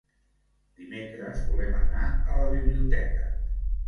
Dimecres volen anar a la biblioteca.